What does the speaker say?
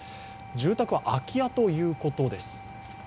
住宅は空き家ということです。